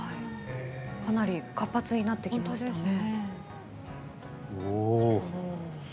かなり、活発になってきましたね。